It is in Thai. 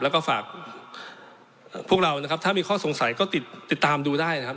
แล้วก็ฝากพวกเรานะครับถ้ามีข้อสงสัยก็ติดติดตามดูได้นะครับ